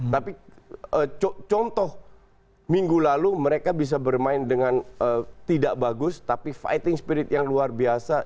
tapi contoh minggu lalu mereka bisa bermain dengan tidak bagus tapi fighting spirit yang luar biasa